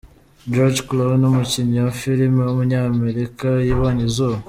George Clooney, umukinnyi wa filime w’umunyamerika yabonye izuba.